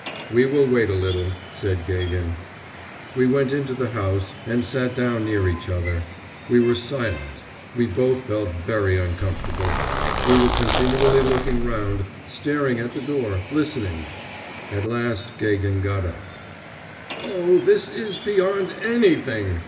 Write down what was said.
'We will wait a little,' said Gagin. We went into the house and sat down near each other. We were silent. We both felt very uncomfortable. We were continually looking round, staring at the door, listening. At last Gagin got up. 'Oh, this is beyond anything!